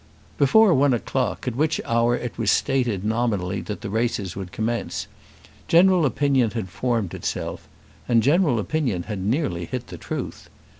Before one o'clock, at which hour it was stated nominally that the races would commence, general opinion had formed itself, and general opinion had nearly hit the truth.